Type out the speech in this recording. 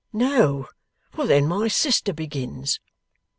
No. For then my sister begins.